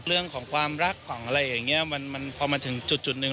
เรื่องของความรักของอะไรอย่างเงี้ยมันพอมาถึงจุดหนึ่ง